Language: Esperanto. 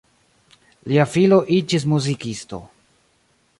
Lia filo iĝis muzikisto.